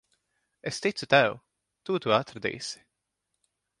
Es ticu tev. Tu to atradīsi.